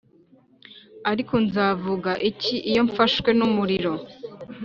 ariko nzavuga iki iyo mfashwe n'umuriro